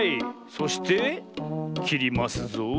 そしてきりますぞ。